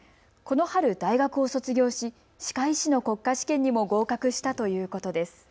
この春、大学を卒業し、歯科医師の国家試験にも合格したということです。